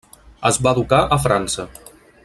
Es va educar a França.